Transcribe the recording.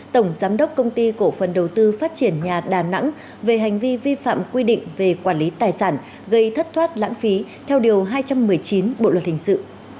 tổng giám đốc công ty cổ phần đầu tư phát triển nhà đà nẵng về hành vi vi phạm quy định về quản lý tài sản gây thất thoát lãng phí theo điều hai trăm một mươi chín bộ luật hình sự